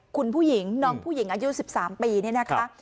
คุณผู้หญิงน้องผู้หญิงอายุ๑๓ปีเนี่ยนะคะ